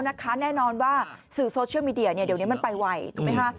แน่นอนว่าสื่อโซเชียลมีเดียเดี๋ยวนี้มันไปไวถูกไหมคะ